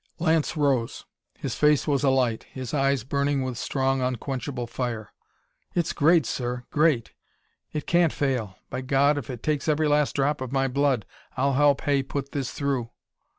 Lance rose. His face was alight, his eyes burning with strong, unquenchable fire. "It's great, sir, great! It can't fail! By God, if it takes every last drop of my blood, I'll help Hay put this through!"